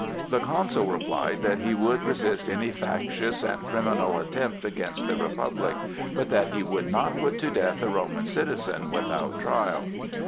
The Consul replied that he would resist any factious and criminal attempt against the Republic, but that he would not put to death a Roman citizen without trial.